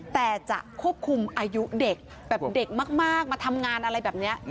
แต่จะควบคุมอายุเด็กแบบเด็กมากมาทำงานอะไรแบบนี้